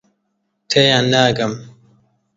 تێیان ناگەم.